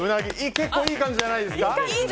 結構いい感じじゃないですか。